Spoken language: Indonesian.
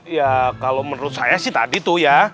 ya kalau menurut saya sih tadi tuh ya